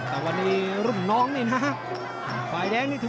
กาดเกมสีแดงเดินแบ่งมูธรุด้วย